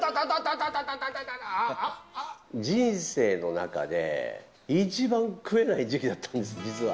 人生の中で、一番食えない時期だったんです、実は。